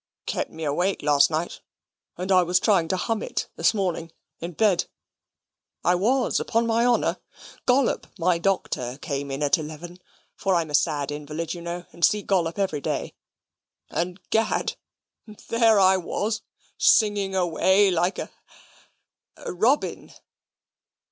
"It kept me awake last night, and I was trying to hum it this morning, in bed; I was, upon my honour. Gollop, my doctor, came in at eleven (for I'm a sad invalid, you know, and see Gollop every day), and, 'gad! there I was, singing away like a robin."